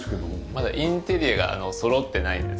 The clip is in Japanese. まだインテリアがそろってないんですけど。